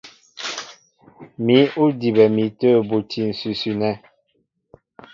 Mǐ' ó dibɛ mi tə̂ buti ǹsʉsʉ nɛ́.